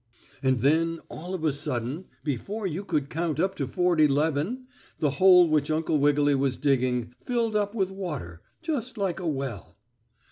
And then all of a sudden, before you could count up to forty 'leven, the hole which Uncle Wiggily was digging filled up with water, just like a well.